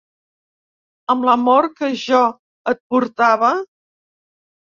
Amb l'amor que jo et portava!